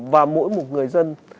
và mỗi một người dân